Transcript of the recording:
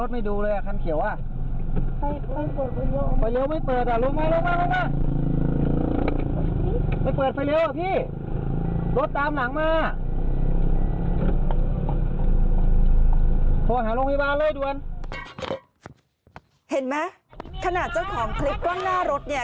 เห็นไหมขนาดเจ้าของคลิปกล้องหน้ารถเนี่ย